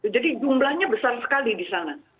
jadi jumlahnya besar sekali di sana